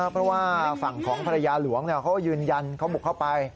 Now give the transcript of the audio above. เพราะว่าฝั่งของภรรยาหลวงเขายืนยันเขาบุกเข้าไป